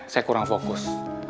saya kurang fokus